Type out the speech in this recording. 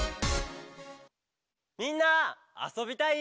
「みんなあそびたい？」